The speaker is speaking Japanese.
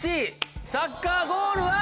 サッカーゴールは？